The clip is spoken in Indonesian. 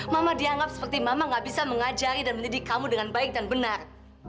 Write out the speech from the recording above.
mama dianggap seperti mama gak bisa mengajari dan mendidik kamu dengan baik dan benar